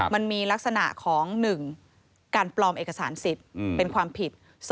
มันมีลักษณะของ๑การปลอมเอกสารสิทธิ์เป็นความผิด